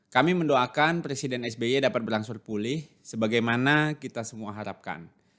kami mendoakan presiden sby dapat berlangsur pulih sebagaimana kita semua harapkan